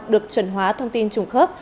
được chuẩn hóa thông tin trùng khớp